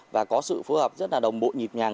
và có sự phù hợp rất đồng bộ nhịp nhàng